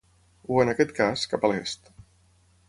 O, en aquest cas, cap a l’est.